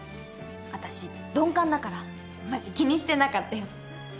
あたし鈍感だからマジ気にしてなかったよ。